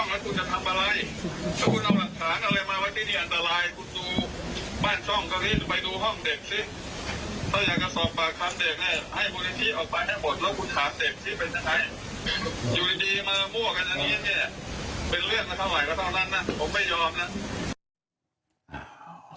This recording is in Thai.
ถ้าอยากจะสอบปากคำเด็กให้ให้บุริธีออกไปให้หมดแล้วคุณถามเด็กที่เป็นใคร